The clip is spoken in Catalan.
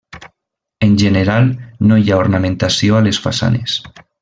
En general no hi ha ornamentació a les façanes.